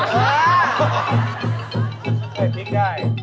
หายพีคได้